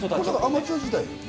アマチュア時代？